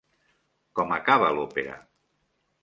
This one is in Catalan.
Com acaba l'òpera?